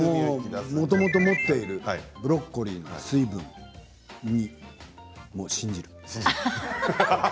もともと持っているブロッコリーの水分に。